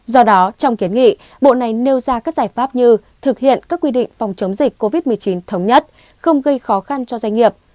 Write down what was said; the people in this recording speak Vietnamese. do đó trong kiến nghị bộ này nêu ra các giải pháp như thực hiện các quy định phòng chống dịch covid một mươi chín thống nhất không gây khó khăn cho doanh nghiệp